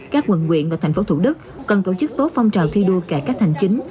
các quận quyện và thành phố thủ đức cần tổ chức tốt phong trào thi đua cải cách hành chính